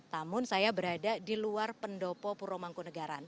namun saya berada di luar pendopo purwomangkunagaran